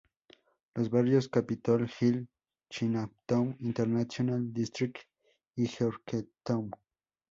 Los barrios Capitol Hill, Chinatown-International District y Georgetown.